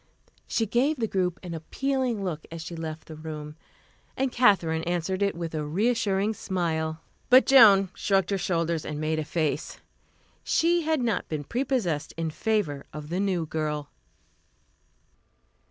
She gave the group an appealing look as she left the room, and Katherine answered it with a reassuring smile. But Joan shrugged her shoulders and made a face. She had not been prepossessed in favor of the new girl.